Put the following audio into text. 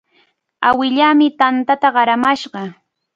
Awilaami tantata qaramashqa.